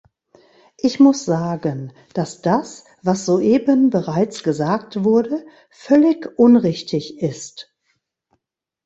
Ich muss sagen, dass das, was soeben bereits gesagt wurde, völlig unrichtig ist.